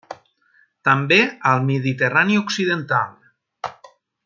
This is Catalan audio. També al Mediterrani Occidental.